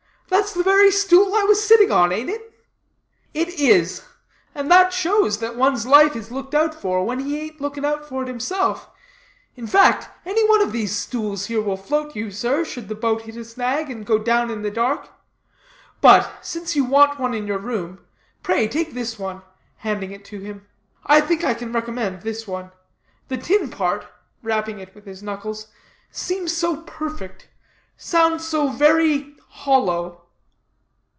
That's the very stool I was sitting on, ain't it?" "It is. And that shows that one's life is looked out for, when he ain't looking out for it himself. In fact, any of these stools here will float you, sir, should the boat hit a snag, and go down in the dark. But, since you want one in your room, pray take this one," handing it to him. "I think I can recommend this one; the tin part," rapping it with his knuckles, "seems so perfect sounds so very hollow."